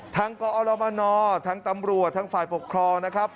ทั้งกรอบรมนอร์ทั้งตำรวจทั้งฝ่ายปกครองนะครับ